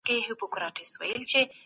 رسول الله د مسکینانو ملاتړی و.